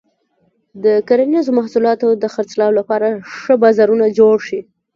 د کرنیزو محصولاتو د خرڅلاو لپاره ښه بازارونه جوړ شي.